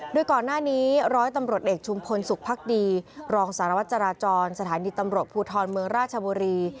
โดยก่อนหน้านี้ร้อยตำรวจเอกชุมพลสุขภักดีรองสารวัตรจราจรสถานีตำรวจภูทรเมืองราชบุรี